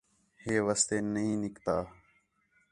ہے واسطے نِھیں نِکتا